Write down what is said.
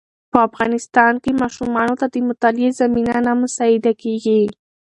په افغانستان کې ماشومانو ته د مطالعې زمینه نه مساعده کېږي.